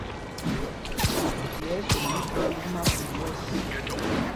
Phī ɛ́ ɛ́ sol mítháŋá ŋgúma pum wɛ̂ɛs.